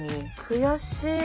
悔しい。